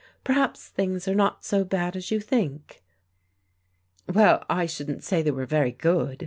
Perhaps things are not so bad as you think." " Well, I shouldn't say they were very good.